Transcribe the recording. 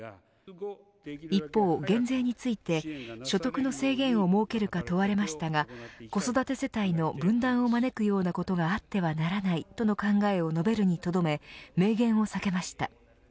一方、減税について所得の制限を設けるか問われましたが子育て世帯の分断を招くようなことがあってはならないとの考えを述べるにとどめ明言を避けました。